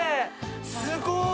すごい！